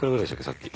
さっき。